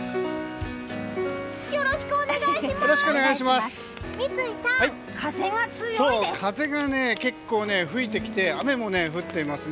よろしくお願いします！